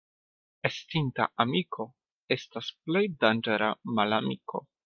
Estinta amiko estas plej danĝera malamiko.